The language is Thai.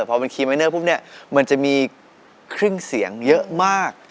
พอเป็นคีย์มายเนอร์พบเนี่ยมันจะมีครึ่งเสียงเยอะมาก